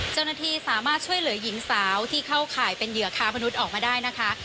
เจ้าหน้าที่สามารถช่วยเหลือหญิงสาวที่เข้าข่ายเป็นเหยื่อค้ามนุษย์ออกมาได้นะคะ